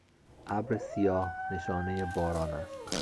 ابر سیاه نشانهی باران است.